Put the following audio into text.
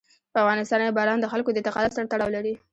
په افغانستان کې باران د خلکو د اعتقاداتو سره تړاو لري.